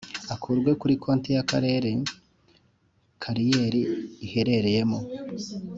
Akurwe kuri konti y’Akarere kariyeri iherereyemo